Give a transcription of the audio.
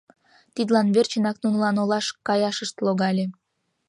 Тидлан верчынак нунылан олаш каяшышт логале.